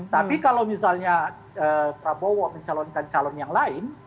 tapi kalau misalnya prabowo mencalonkan calon yang lain